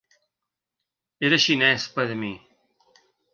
Era xinès per a mi